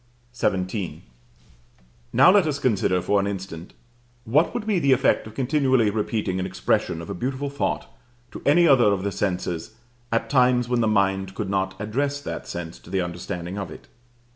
XVII. Now let us consider for an instant what would be the effect of continually repeating an expression of a beautiful thought to any other of the senses at times when the mind could not address that sense to the understanding of it.